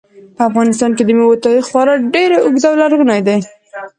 په افغانستان کې د مېوو تاریخ خورا ډېر اوږد او لرغونی دی.